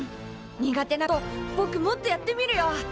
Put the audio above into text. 苦手なことぼくもっとやってみるよ！